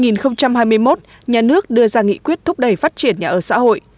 năm hai nghìn hai mươi một nhà nước đưa ra nghị quyết thúc đẩy phát triển nhà ở xã hội